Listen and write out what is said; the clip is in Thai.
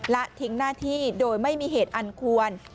และทิ้งหน้าที่โดยไม่มีเหตุอันควร